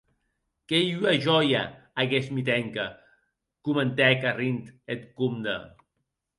Qu’ei ua jòia aguest Mitenka!, comentèc arrint eth comde.